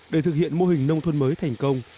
để thực hiện mô hình nông thôn mới thành công